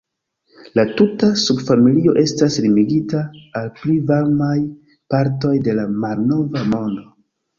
La tuta subfamilio estas limigita al pli varmaj partoj de la Malnova Mondo.